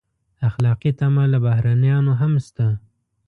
اخلاقي تمه له بهرنیانو هم شته.